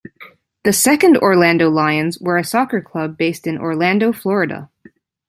The second Orlando Lions were a soccer club based in Orlando, Florida.